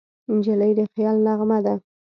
نجلۍ د خیال نغمه ده.